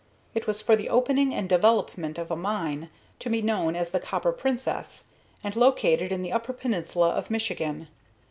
It was for the opening and development of a mine, to be known as the "Copper Princess," and located in the upper peninsula of Michigan.